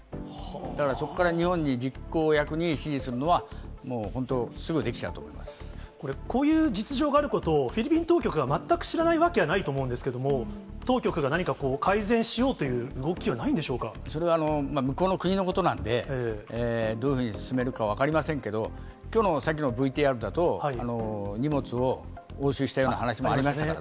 だからそこから日本に実行役に指示するのは、もう本当、すぐできこれ、こういう実情があることをフィリピン当局が全く知らないわけはないと思うんですけれども、当局が何か改善しようという動きはないそれは向こうの国のことなんで、どういうふうに進めるか分かりませんけど、きょうのさっきのＶＴＲだと、荷物を押収したような話もありましたからね。